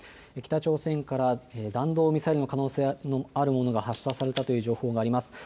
北朝鮮から弾道ミサイルの可能性のあるものが発射されたという情報があります。